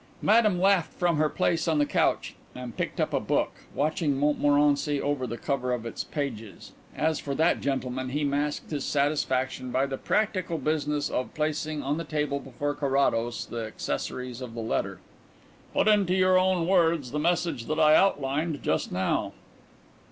Madame laughed from her place on the couch and picked up a book, watching Montmorency over the cover of its pages. As for that gentleman, he masked his satisfaction by the practical business of placing on the table before Carrados the accessories of the letter. "Put into your own words the message that I outlined just now."